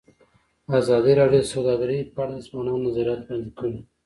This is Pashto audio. ازادي راډیو د سوداګري په اړه د ځوانانو نظریات وړاندې کړي.